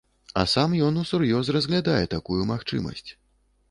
А сам ён усур'ёз разглядае такую магчымасць.